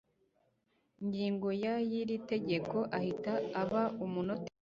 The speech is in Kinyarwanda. ngingo ya y iri tegeko ahita aba umunoteri